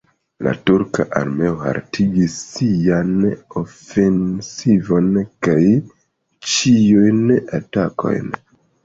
La turka armeo haltigis sian ofensivon kaj ĉiujn atakojn.